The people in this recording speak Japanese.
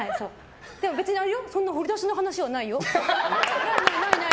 別に、そんな掘り出しの話はないよ。